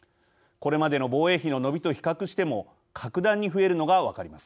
これまでの防衛費の伸びと比較しても、格段に増えるのが分かります。